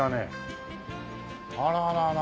あらららら。